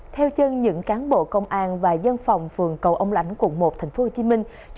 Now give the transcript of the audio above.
theo chân những cán bộ công an và dân phòng phường cầu ông lãnh quận một tp hcm